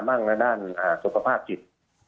่งในด้านสุขภาพจิต